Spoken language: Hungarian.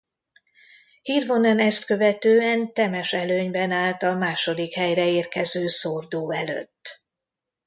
Hirvonen ezt követően temes előnyben állt a második helyre érkező Sordo előtt.